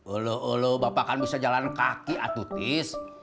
ulu ulu bapak kan bisa jalan kaki atutis